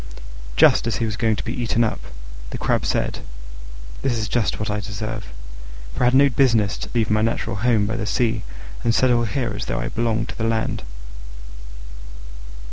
Just as he was going to be eaten up, the Crab said, "This is just what I deserve; for I had no business to leave my natural home by the sea and settle here as though I belonged to the land."